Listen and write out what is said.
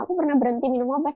aku pernah berhenti minum obat